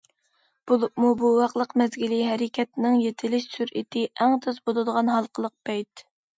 بولۇپمۇ بوۋاقلىق مەزگىلى ھەرىكەتنىڭ يېتىلىش سۈرئىتى ئەڭ تېز بولىدىغان ھالقىلىق پەيت.